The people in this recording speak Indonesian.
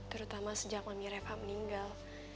terutama sejak mami refha meninggal